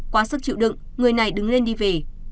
quá sức chịu đựng người này đứng lên đi về